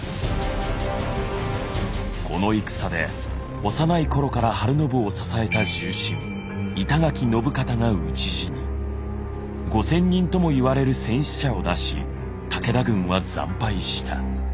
この戦で幼い頃から晴信を支えた重臣５，０００人とも言われる戦死者を出し武田軍は惨敗した。